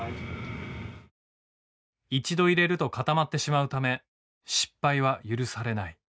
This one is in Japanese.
一度入れると固まってしまうため失敗は許されない。